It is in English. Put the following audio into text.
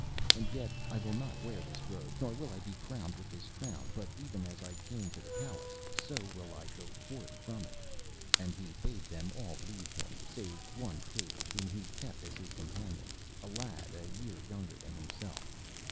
And yet I will not wear this robe, nor will I be crowned with this crown, but even as I came to the palace so will I go forth from it.' And he bade them all leave him, save one page whom he kept as his companion, a lad a year younger than himself.